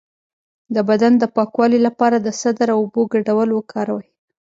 د بدن د پاکوالي لپاره د سدر او اوبو ګډول وکاروئ